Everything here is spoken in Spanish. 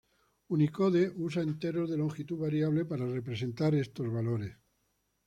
Unicode usa enteros de longitud variable para representar estos valores.